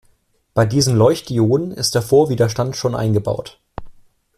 Bei diesen Leuchtdioden ist der Vorwiderstand schon eingebaut.